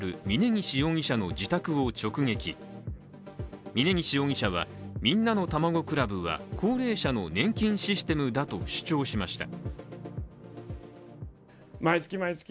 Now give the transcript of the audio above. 峯岸容疑者はみんなのたまご倶楽部は高齢者の年金システムだと主張しました。